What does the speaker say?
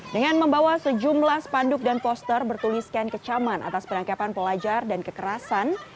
dengan membawa sejumlah spanduk dan poster bertuliskan kecaman atas penangkapan pelajar dan kekerasan